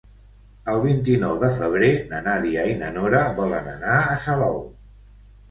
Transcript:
El vint-i-nou de febrer na Nàdia i na Nora volen anar a Salou.